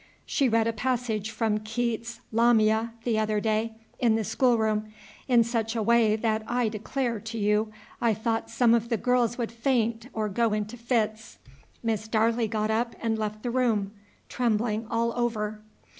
She read a passage from Keats's 'Lamia' the other day, in the schoolroom, in such a way that I declare to you I thought some of the girls would faint or go into fits. Miss Darley got up and left the room, trembling all over.